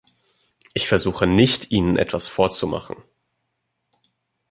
Ich versuche nicht, Ihnen etwas vorzumachen.